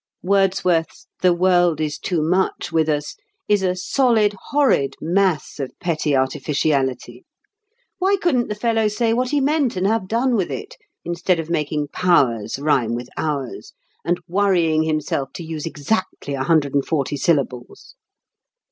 Wordsworth's "The world is too much with us" is a solid, horrid mass of petty artificiality. Why couldn't the fellow say what he meant and have done with it, instead of making "powers" rhyme with "ours," and worrying himself to use exactly a hundred and forty syllables?